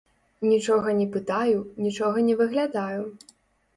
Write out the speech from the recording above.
Нічога не пытаю, нічога не выглядаю.